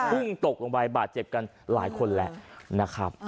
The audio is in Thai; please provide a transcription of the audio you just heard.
พุ่งตกลงไปบาดเจ็บกันหลายคนแหละนะครับ